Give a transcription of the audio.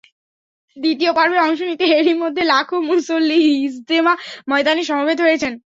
দ্বিতীয় পর্বে অংশ নিতে এরই মধ্যে লাখো মুসল্লি ইজতেমা ময়দানে সমবেত হয়েছেন।